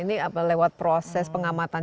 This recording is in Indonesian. ini lewat proses pengamatan